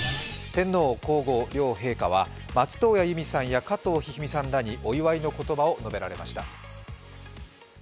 天皇皇后両陛下は松任谷由実さんや加藤一二三さんにお祝いの言葉を述べられました。